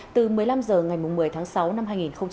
từ một mươi năm h ngày một mươi tháng sáu năm hai nghìn hai mươi